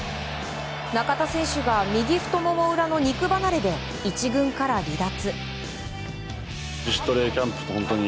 中田選手が右太もも裏の肉離れで１軍から離脱。